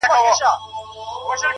هره ناکامي د پوهې سرچینه ده؛